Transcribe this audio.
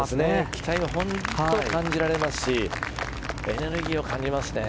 期待は本当感じられますしエネルギーを感じますね。